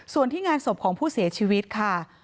ส่วนที่งานศพของผู้เสียชีวิตค่ะ